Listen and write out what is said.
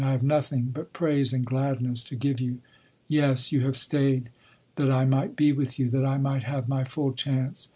I have nothing but praise and gladness to give you. Yes, you have stayed—that I might be with you—that I might have my full chance.